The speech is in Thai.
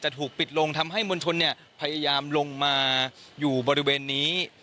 แต่ถูกปิดลงทำให้มวลชนพยายามลงมาอยู่บริเวณนี้